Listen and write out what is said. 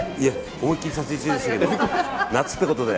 思い切り撮影中でしたけども夏ってことで。